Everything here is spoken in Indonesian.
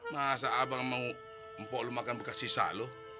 masa abang mau empok lu makan bekas sisa lu